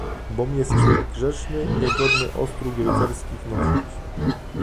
"bom jest człek grzeszny i niegodny ostróg rycerskich nosić."